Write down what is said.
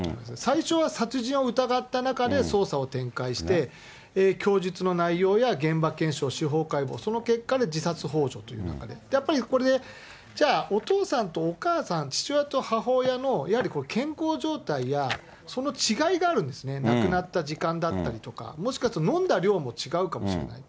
最初は殺人を疑った中で捜査を展開して、供述の内容や現場検証、司法解剖、その結果で自殺ほう助という中で、やっぱりこれで、じゃあ、お父さんとお母さん、父親と母親の、いわゆる健康状態や、その違いがあるんですね、亡くなった時間だったりとか、もしかすると飲んだ量も違うかもしれない。